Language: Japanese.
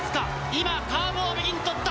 今、カーブを右に取った。